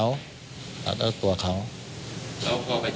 แล้วพอไปที่สอบความว่าเมื่อกี้แล้วทางระเวนที่ทำการกรรมส่วนเนี่ย